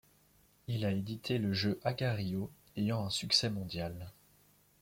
Il a édité le jeu Agar.io, ayant un succès mondial.